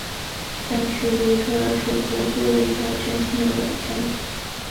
但是维特尔手头多了一套全新的软胎。